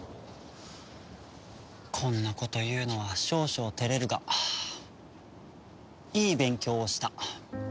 こんなことを言うのは少々照れるがいい勉強をした。